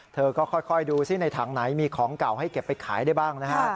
เธอก็ค่อยดูซิในถังไหนมีของเก่าให้เก็บไปขายได้บ้างนะฮะ